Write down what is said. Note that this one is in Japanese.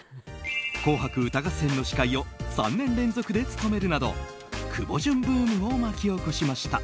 「紅白歌合戦」の司会を３年連続で務めるなどクボジュンブームを巻き起こしました。